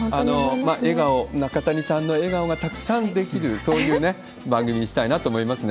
笑顔、中谷さんの笑顔がたくさんできる、そういう番組にしたいなと思いますね。